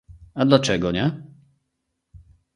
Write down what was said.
a dlaczego nie?